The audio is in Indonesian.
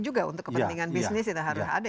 juga untuk kepentingan bisnis itu harus ada